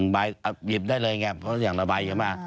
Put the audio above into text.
๑ใบหยิบได้เลยไงเพราะอย่างละใบอย่างไร